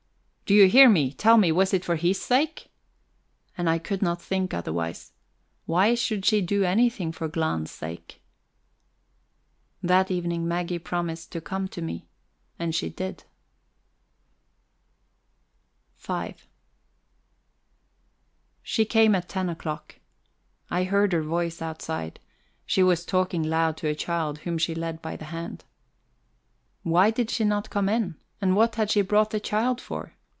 "Do you hear? Tell me, was it for his sake?" And I could not think otherwise. Why should she do anything for Glahn's sake? That evening Maggie promised to come to me, and she did. V She came at ten o'clock. I heard her voice outside; she was talking loud to a child whom she led by the hand. Why did she not come in, and what had she brought the child for?